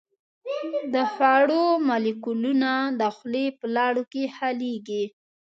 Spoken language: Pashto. د خوړو مالیکولونه د خولې په لاړو کې حلیږي.